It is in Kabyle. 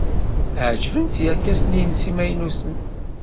Ɛejben-tt yerkasen-nnes imaynuten.